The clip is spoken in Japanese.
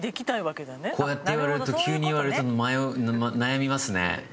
こうやって言われると急に言われると悩みますね。